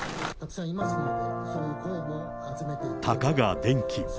たかが電気。